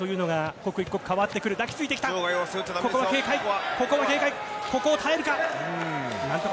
ここは警戒、ここは警戒、ここを耐えるか。